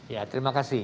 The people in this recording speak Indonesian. ya terima kasih